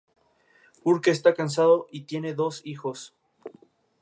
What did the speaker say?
Burke está casado y tiene dos hijos.